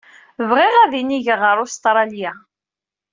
Bɣiɣ ad inigeɣ ɣer Ustṛalya.